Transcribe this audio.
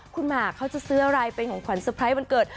คุณมาร์คเขาจะซื้ออะไรเป็นของขวัญสเปรย์วันเกิด